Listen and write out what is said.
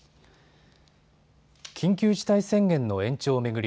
緊急事態宣言の延長を巡り